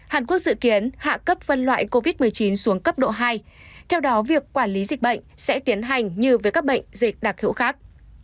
hàn quốc dự kiến hạ cấp phân loại covid một mươi chín xuống cấp độ hai theo đó việc quản lý dịch bệnh sẽ tiến hành như với các bệnh dịch đặc hữu khác